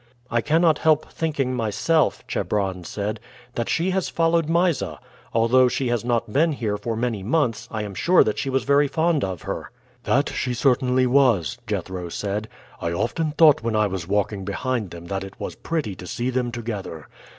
"I cannot help thinking myself," Chebron said, "that she has followed Mysa. Although she has not been here for many months, I am sure that she was very fond of her." "That she certainly was," Jethro said. "I often thought when I was walking behind them that it was pretty to see them together.